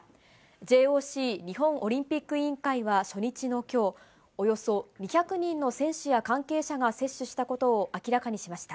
ＪＯＣ・日本オリンピック委員会は初日のきょう、およそ２００人の選手や関係者が接種したことを明らかにしました。